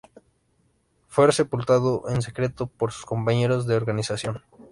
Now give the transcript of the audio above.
Fue sepultado en secreto por sus compañeros de organización.